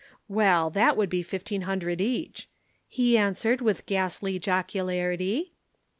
"'Well, that would be fifteen hundred each,' he answered with ghastly jocularity.